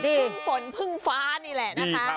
พึ่งฝนพึ่งฟ้านี่แหละนะคะ